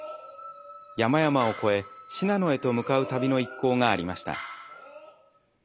山々を越え信濃へと向かう旅の一行がありました。